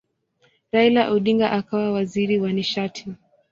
Raila Odinga akawa waziri wa nishati.